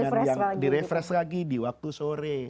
diharui di refresh lagi di waktu sore